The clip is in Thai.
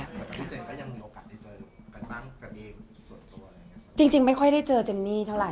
แต่จากที่เจนก็ยังมีโอกาสได้เจอกันบ้างกันเองส่วนตัวอะไร